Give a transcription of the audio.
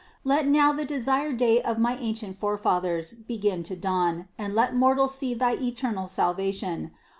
Let now the desired day of my ancient Forefathers begin to dawn and let mortals see thy eter nal salvation.